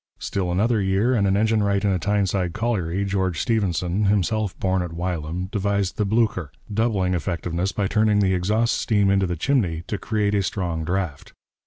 Still another year, and an engine wright in a Tyneside colliery, George Stephenson, himself born at Wylam, devised the Blücher, doubling effectiveness by turning the exhaust steam into the chimney to create a strong draught.